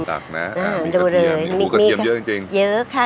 ตักนะอ่าดูเลยหมูกระเทียมเยอะจริงจริงเยอะค่ะ